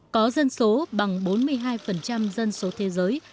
có dân số bằng bốn mươi hai dân số thế giới